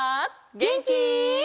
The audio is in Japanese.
げんき？